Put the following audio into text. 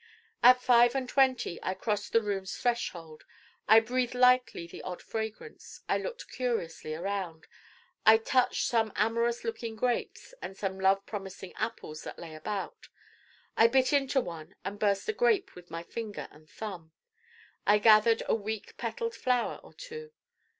At five and twenty I crossed the Room's threshold. I breathed lightly the odd fragrance. I looked curiously around. I touched some amorous looking grapes and some love promising apples that lay about: I bit into one and burst a grape with my finger and thumb. I gathered a weak petaled flower or two.